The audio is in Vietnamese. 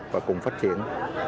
và cùng phát triển